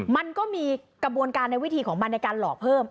มันก็มีกระบวนการในวิธีของมันในการหลอกเพิ่ม